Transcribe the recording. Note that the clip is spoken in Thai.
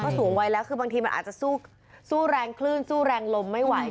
สูงวัยแล้วคือบางทีมันอาจจะสู้แรงคลื่นสู้แรงลมไม่ไหว